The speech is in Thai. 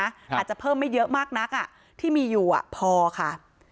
อาจจะเพิ่มไม่เยอะมากนักที่มีอยู่พอค่ะ